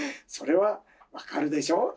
それは分かるでしょ？